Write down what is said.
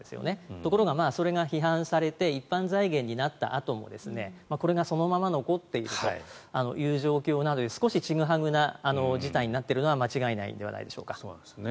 ところがそれが批判されて一般財源になったあともこれがそのまま残っているという状況なので少しちぐはぐな事態になっているのは間違いないのではないでしょうか。